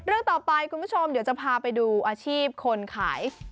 เรื่องต่อไปคุณผู้ชมเดี๋ยวจะพาไปดูอาชีพคนขาย